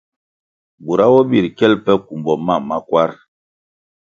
Bura bo birʼ kyel pe kumbo mam ma kwarʼ.